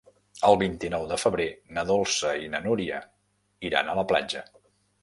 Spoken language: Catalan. El vint-i-nou de febrer na Dolça i na Núria iran a la platja.